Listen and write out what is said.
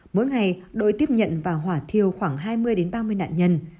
mỗi ngày đội tiếp nhận và hỏa thiêu khoảng hai mươi ba mươi nạn nhân